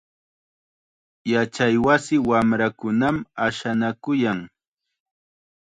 Yachaywasi wamrakunam ashanakuyan.